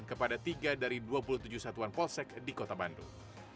kepada tiga dari dua puluh tujuh satuan polsek di kota bandung